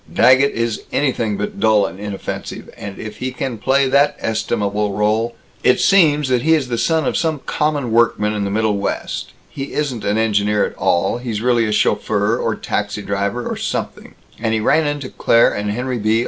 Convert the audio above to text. Daggett is anything but dull and inoffensive, and if he can play that estimable rôle ! It seems that he is the son of some common workman in the Middlewest; he isn't an engineer at all; he's really a chauffeur or a taxi driver or something; and he ran into Claire and Henry B.